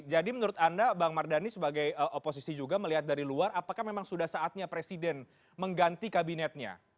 jadi menurut anda bang mardani sebagai oposisi juga melihat dari luar apakah memang sudah saatnya presiden mengganti kabinetnya